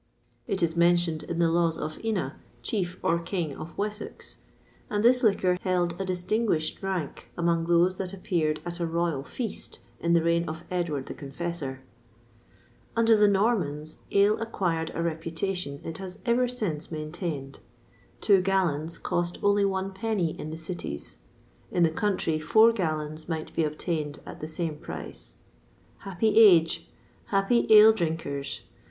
It is mentioned in the laws of Ina, Chief, or King, of Wessex; and this liquor held a distinguished rank among those that appeared at a royal feast in the reign of Edward the Confessor.[XXVI 20] Under the Normans, ale acquired a reputation it has ever since maintained. Two gallons cost only one penny in the cities; in the country, four gallons might be obtained at the same price. Happy age! happy ale drinkers!